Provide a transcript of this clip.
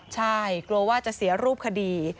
ใช่กลัวว่าจะเสียรูปคดี